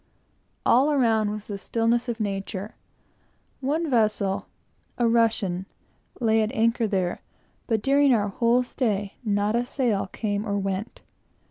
All around was the stillness of nature. One vessel, a Russian, lay at anchor there, but during our whole stay not a sail came or went.